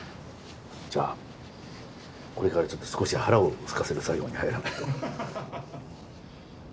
じゃあこれからちょっと少し腹をすかせる作業に入らないと。